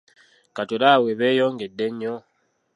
Kati olaba bwe beeyongedde ennyo?